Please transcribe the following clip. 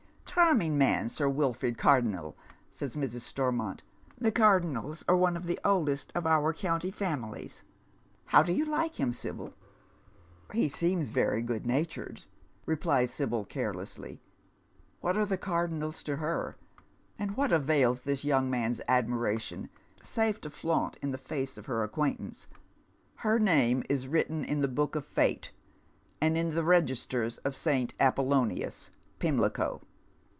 " Charming man, Sir Wilford Cardonnel," says Mrs. Strrrnont. *' The Cardonnels are one of the oldest of our county fA^iiilles. How do you like him, Sibyl ?" "He seems good natured," replies Sibyl, carelessly. Whatai e the Cardonnels to her? and what avails this young man's admira tion, save to flaunt in the face of her acquaintance ? Her name is written in the Book of Fate, and in the registers of St. Apollonius, Pimlico.